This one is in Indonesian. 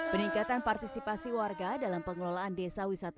peningkatan partisipasi warga dalam pengelolaan desa wisata gegesi kulon